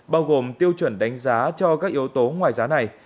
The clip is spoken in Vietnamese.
bao gồm tiêu chuẩn đánh giá cho các yếu tố ngoài giá này